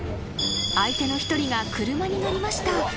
［相手の一人が車に乗りました］